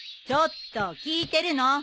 ちょっと聞いてるの？